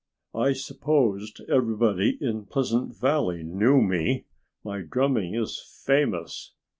"I supposed everybody in Pleasant Valley knew me. My drumming is famous."